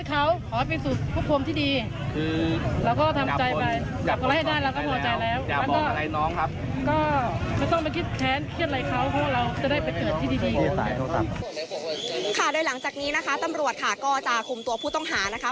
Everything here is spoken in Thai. ค่ะโดยหลังจากนี้นะคะตำรวจค่ะก็จะคุมตัวผู้ต้องหานะคะ